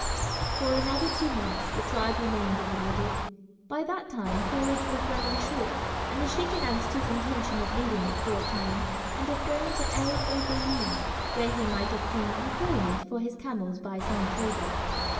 For another two months the tribe remained in the wady. By that time forage was running short, and the sheik announced his intention of leaving it for a time and of going to El Obeid, where he might obtain employment for his camels by some trader.